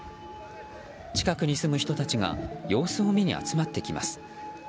近くに住む人たちが様子を見に集まってきます。